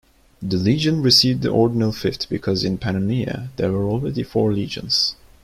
The legion received the ordinal "Fifth" because in Pannonia there were already four legions.